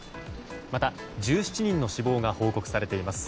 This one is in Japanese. また、１７人の死亡が報告されています。